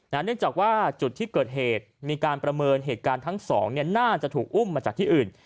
นั่นเนื่องจากว่าจุดที่เกิดเหตุมีการประเมินเศษงานจะถูกอุ้มกันให้อิง